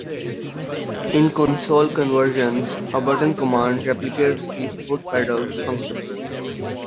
In console conversions, a button command replicates the foot pedal's functions.